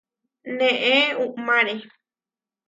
Neé uʼmáre.